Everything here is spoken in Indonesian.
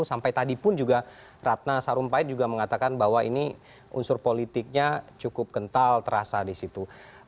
sampai tadi pun juga ratna sarumpait juga mengatakan bahwa ini unsur politiknya cukup kental terasa di situ